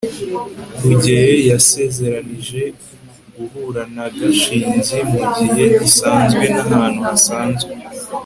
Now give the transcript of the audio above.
rugeyo yasezeranije guhura na gashinzi mugihe gisanzwe n'ahantu hasanzwe